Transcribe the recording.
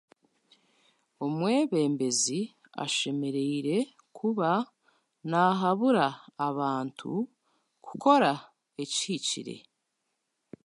Omwebembezi ashemereire kuba naahabura abantu kukora ekihikire.